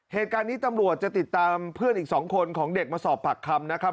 เหตุการณ์นี้ตำรวจจะติดตามเพื่อนอีก๒คนของเด็กมาสอบปากคำนะครับ